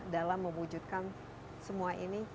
dalam mewujudkan semua ini